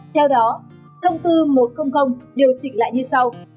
theo đó thông tư một trăm linh điều chỉnh lại như sau